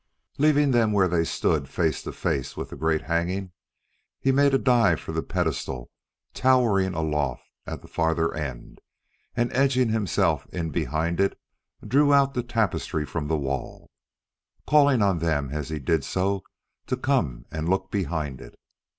Leaving them where they stood face to face with the great hanging, he made a dive for the pedestal towering aloft at the farther end, and edging himself in behind it, drew out the tapestry from the wall, calling on them as he did so to come and look behind it.